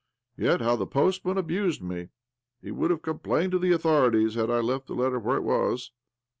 Yet how the postman abused me ! He would have complained to the authori ties had I left the letter where it was."